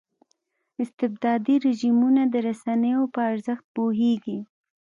استبدادي رژیمونه د رسنیو په ارزښت پوهېږي.